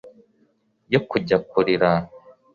yo kujya kurira